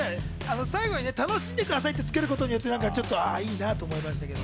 最後に楽しんでくださいってつけることによってあ、いいなと思いましたけど。